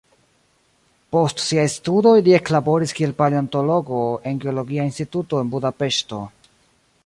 Post siaj studoj li eklaboris kiel paleontologo en geologia instituto en Budapeŝto.